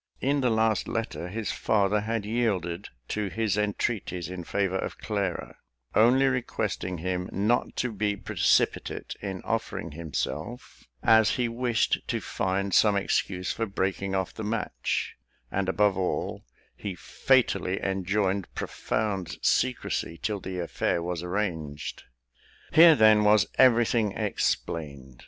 In the last letter, the father had yielded to his entreaties in favour of Clara; only requesting him not to be precipitate in offering himself, as he wished to find some excuse for breaking off the match; and, above all, he fatally enjoined profound secrecy till the affair was arranged. Here, then, was everything explained.